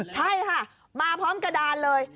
ใช่ค่ะมาพร้อมกระดานเลย